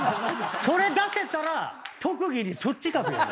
それ出せたら特技にそっち書くよね。